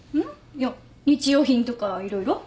いや日用品とか色々？